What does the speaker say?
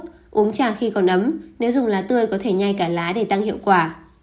uống trà khi còn ấm nếu dùng lá tươi có thể nhai cả lá để tăng hiệu quả